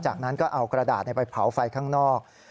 จากนั้นก็เอากระดาษไปเผาไฟข้างนอก